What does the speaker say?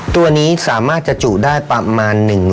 ตัวนี้สามารถจะจุทธิ์ได้ประมาณ๑๒๐ก่อน